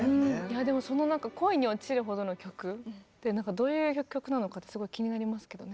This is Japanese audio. でもその恋に落ちるほどの曲ってどういう曲なのかってすごい気になりますけどね。